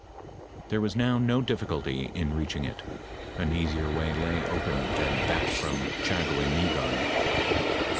* There was now no diflScnlty in reaching it ; an easier way lay open than that from Chagoimegon.